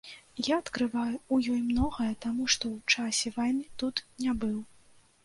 Я адкрываю ў ёй многае, таму што ў часе вайны тут не быў.